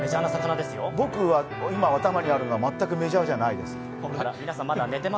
僕は今、頭にあるのは全くメジャーじゃないです。